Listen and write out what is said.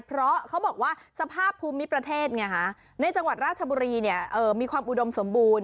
เพราะเขาบอกว่าสภาพภูมิประเทศไงฮะในจังหวัดราชบุรีมีความอุดมสมบูรณ